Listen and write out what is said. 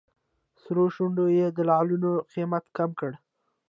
سرو شونډو یې د لعلونو قیمت کم کړ.